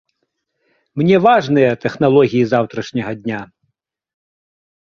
Мне важныя тэхналогіі заўтрашняга дня.